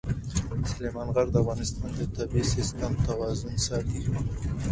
سلیمان غر د افغانستان د طبعي سیسټم توازن ساتي.